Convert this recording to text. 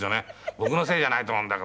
僕のせいじゃないと思うんだけど。